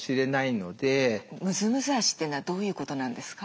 「むずむず脚」っていうのはどういうことなんですか？